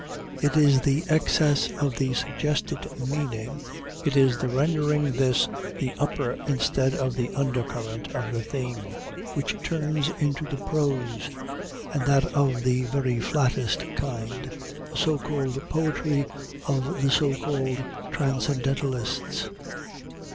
It is the excess of the suggested meaning it is the rendering this the upper instead of the under current of the theme which turns into prose (and that of the very flattest kind) the so called poetry of the so called transcendentalists.